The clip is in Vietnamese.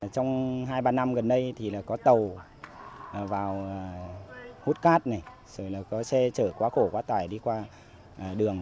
trong hai ba năm gần đây thì là có tàu vào hút cát này rồi là có xe chở quá khổ quá tải đi qua đường